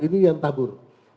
ini yang tabur